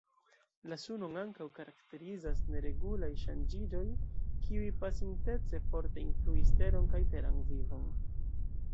La Sunon ankaŭ karakterizas neregulaj ŝanĝiĝoj kiuj, pasintece, forte influis Teron kaj teran vivon.